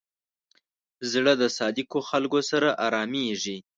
زړه د صادقو خلکو سره آرامېږي.